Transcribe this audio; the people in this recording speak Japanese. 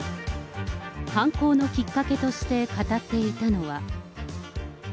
犯行のきっかけとして語っていたのは。